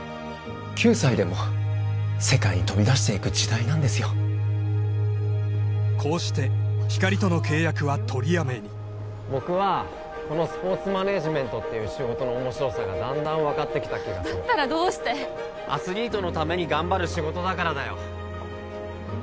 ９歳でも世界に飛び出していく時代なんですよこうしてひかりとの契約は取りやめに僕はこのスポーツマネージメントっていう仕事の面白さがだんだん分かってきた気がするだったらどうしてアスリートのために頑張る仕事だからだよ